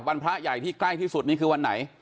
พระใหญ่ที่ใกล้ที่สุดนี่คือวันไหน